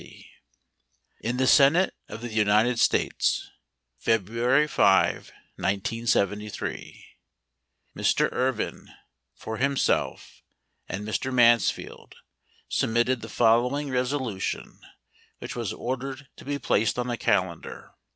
£Q IN THE SENATE OE THE UNITED STATES February 5, 1973 Mr. Ervin (for himself and Mr. Mansfield) submitted the following resolu tion ; which was ordered to be placed on the calendar.